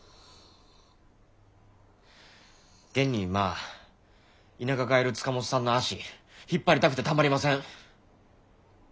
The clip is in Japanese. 現に今田舎帰る塚本さんの足引っ張りたくてたまりません。